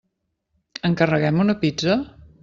Encarreguem una pizza?